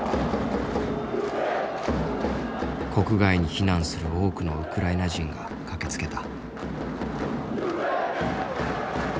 国外に避難する多くのウクライナ人が駆けつけた。